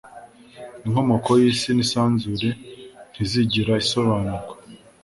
inkomoko yisi nisanzure ntizigera isobanurwa